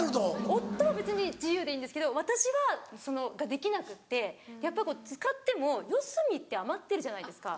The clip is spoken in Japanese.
夫は別に自由でいいんですけど私はそのができなくってやっぱこう使っても四隅って余ってるじゃないですか。